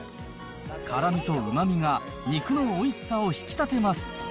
辛みとうまみが肉のおいしさを引き立てます。